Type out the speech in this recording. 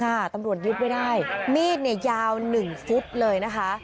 แต่ตำรวจยึดไม่ได้มีดไหนยาว๑ฟุตเลยนะคะ